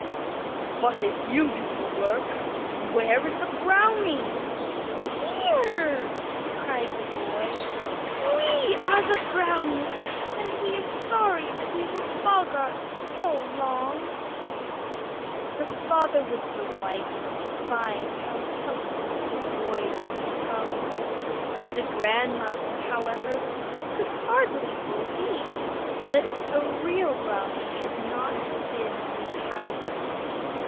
"But if you do the work, where is the brownie?" "Here," cried the boys; "we are the brownies, and we are sorry that we were boggarts so long." The father was delighted to find how helpful his boys had become. The grandmother, however, could hardly believe that a real brownie had not been in the house.